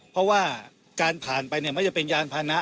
เพราะว่าการผ่านไปไม่จะเป็นยานพานะ